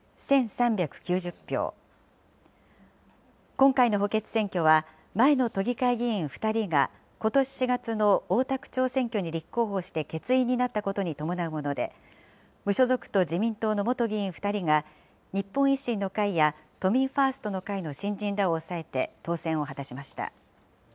今回の補欠選挙は、前の都議会議員２人がことし４月の大田区長選挙に立候補して欠員になったことに伴うもので、無所属と自民党の元議員２人が、日本維新の会や都民ファーストの会の新人らを抑えて当選を果たしました。